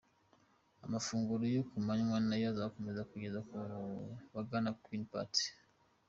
Amafunguro ya kumanywa nayo azakomeza kugeza ku bagana Quelque Part.